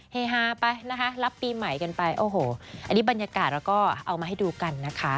เฮฮาไปนะคะรับปีใหม่กันไปโอ้โหอันนี้บรรยากาศเราก็เอามาให้ดูกันนะคะ